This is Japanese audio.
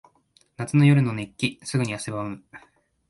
夏の夜の熱気。すぐに汗ばむ。